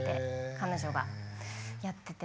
彼女がやってて。